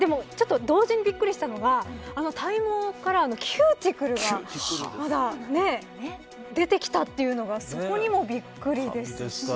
同時にびっくりしたのが体毛からキューティクルが出てきたというのがそこにもびっくりですし。